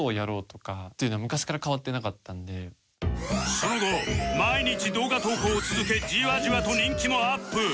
その後毎日動画投稿を続けじわじわと人気もアップ